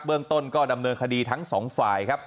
เรื่องต้นก็ดำเนินคดีทั้งสองฝ่ายครับ